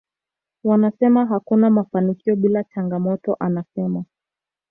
Wanasema hakuna mafanikio bila changamoto anasema